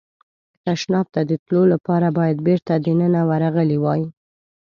تشناب ته د تلو لپاره باید بېرته دننه ورغلی وای.